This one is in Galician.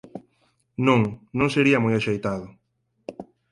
Non, non sería moi axeitado.